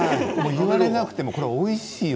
言われなくてもこれはおいしいよ。